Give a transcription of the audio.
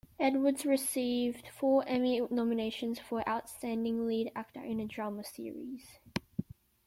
Edwards received four Emmy nominations for "Outstanding Lead Actor in a Drama Series".